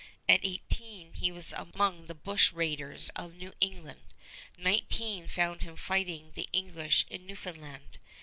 At eighteen he was among the bushraiders of New England. Nineteen found him fighting the English in Newfoundland.